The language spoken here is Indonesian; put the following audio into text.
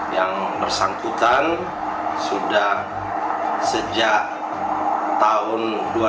yang bersangkutan sudah sejak tahun dua ribu dua